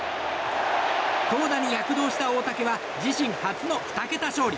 投打に躍動した大竹は自身初の２桁勝利。